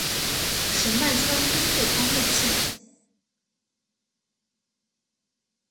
神奈川东部方面线。